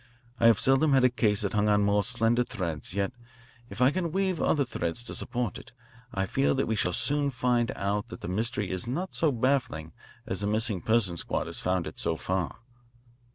I have seldom had a case that hung on more slender threads, yet if I can weave other threads to support it I feel that we shall soon find that the mystery is not so baffling as the Missing Persons Squad has found it so far."